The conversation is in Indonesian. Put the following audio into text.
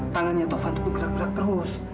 tangannya taufan tuh bergerak gerak terus